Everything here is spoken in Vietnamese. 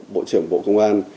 bộ trưởng bộ công an